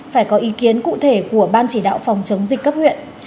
phải có ý kiến cụ thể của ban chỉ đạo phòng chống dịch cấp huyện